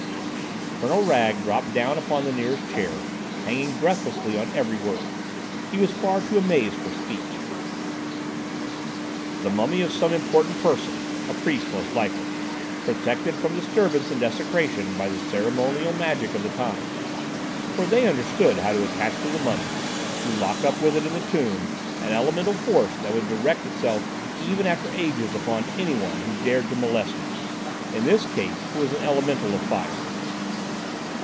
Colonel Wragge dropped down upon the nearest chair, hanging breathlessly on every word. He was far too amazed for speech. "The mummy of some important person—a priest most likely—protected from disturbance and desecration by the ceremonial magic of the time. For they understood how to attach to the mummy, to lock up with it in the tomb, an elemental force that would direct itself even after ages upon any one who dared to molest it. In this case it was an elemental of fire."